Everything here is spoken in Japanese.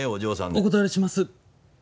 お断りします。